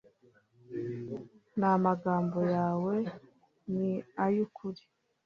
n’amagambo yawe ni ay’ukuri